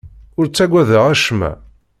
Ur ttaggadeɣ acemma.